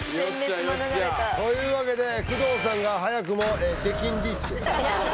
全滅免れたというわけで工藤さんが早くも出禁リーチです